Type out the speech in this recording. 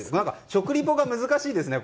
食リポが難しいですね。